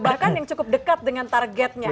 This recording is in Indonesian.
bahkan yang cukup dekat dengan targetnya